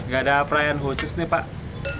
gak ada apa apa yang khusus nih pak